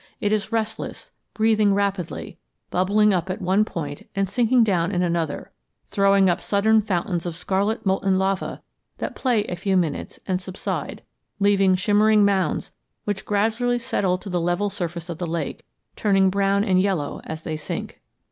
It is restless, breathing rapidly, bubbling up at one point and sinking down in another; throwing up sudden fountains of scarlet molten lava that play a few minutes and subside, leaving shimmering mounds which gradually settle to the level surface of the lake, turning brown and yellow as they sink.